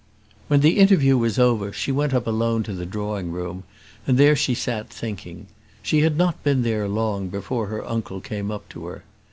When the interview was over, she went up alone to the drawing room, and there she sat thinking. She had not been there long before her uncle came up to her.